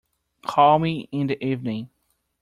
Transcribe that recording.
Call me in the evening.